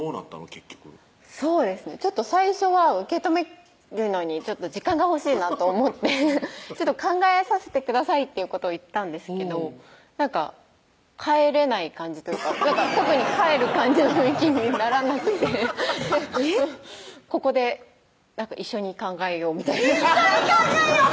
結局そうですね最初は受け止めるのに時間が欲しいなと思って「考えさせてください」っていうことを言ったんですけどなんか帰れない感じというか特に帰る感じの雰囲気にならなくて「ここで一緒に考えよう」みたいな「一緒に考えよう」